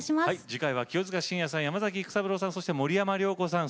次回は清塚信也さん山崎育三郎さんそして森山良子さん。